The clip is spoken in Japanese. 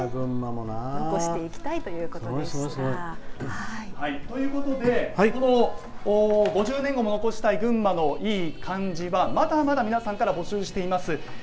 残していきたいということです。ということで「５０年後も残したい群馬のいいカンジ」まだまだ皆さんから募集しています。